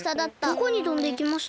どこにとんでいきました？